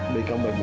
baik kamu baik baik